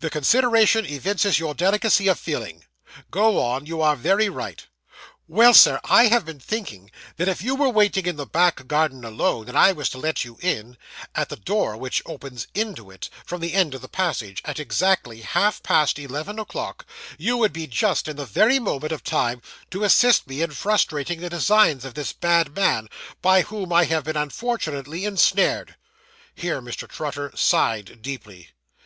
'The consideration evinces your delicacy of feeling. Go on; you are very right.' 'Well, sir, I have been thinking that if you were waiting in the back garden alone, and I was to let you in, at the door which opens into it, from the end of the passage, at exactly half past eleven o'clock, you would be just in the very moment of time to assist me in frustrating the designs of this bad man, by whom I have been unfortunately ensnared.' Here Mr. Trotter sighed deeply.